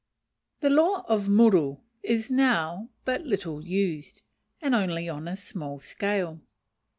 The law of muru is now but little used, and only on a small scale.